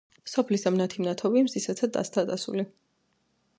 სოფლისა მნათი მნათობი მზისაცა დასთა დასული